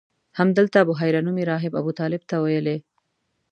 همدلته بحیره نومي راهب ابوطالب ته ویلي.